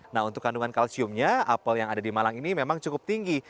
nah untuk kandungan kalsiumnya apel yang ada di malang ini memang cukup tinggi